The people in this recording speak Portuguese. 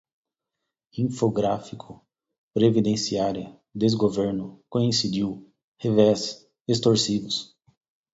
Infográfico, previdenciária, desgoverno, coincidiu, revés, extorsivos